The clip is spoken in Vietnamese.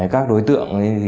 các đối tượng